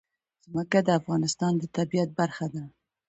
ځمکه د افغانستان د طبیعت برخه ده.